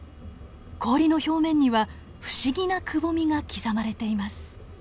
氷の表面には不思議なくぼみが刻まれています。